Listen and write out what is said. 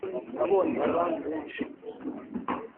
nabonye abandi benshi